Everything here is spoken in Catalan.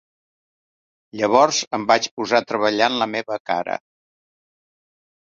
Llavors em vaig posar a treballar en la meva cara.